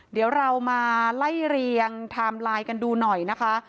เดี๋ยวเรามาไล่เรียงไทม์ไลน์กันดูหน่อยนะคะ